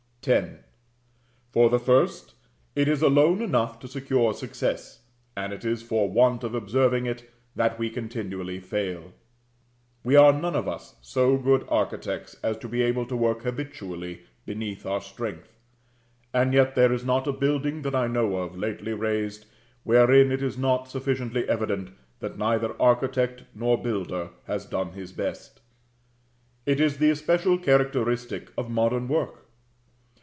X. For the first: it is alone enough to secure success, and it is for want of observing it that we continually fail. We are none of us so good architects as to be able to work habitually beneath our strength; and yet there is not a building that I know of, lately raised, wherein it is not sufficiently evident that neither architect nor builder has done his best. It is the especial characteristic of modern work.